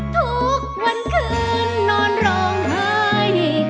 ทุกวันคืนนอนร้องไห้